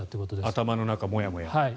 頭の中がもやもやと。